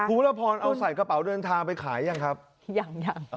ภูระพรเอาใส่กระเป๋าเดินทางไปขายอย่างครับยังยังอ่อ